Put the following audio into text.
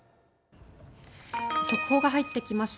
速報が入ってきました。